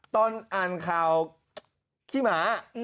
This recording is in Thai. ตอนอ่านข่าวขี้หมา